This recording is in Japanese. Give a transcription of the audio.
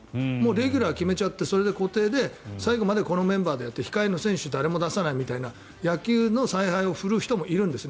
レギュラーを決めちゃってそれで固定で最後までこのメンバーでやって控えの選手を全然出さないという野球の采配を振る人もいるんです。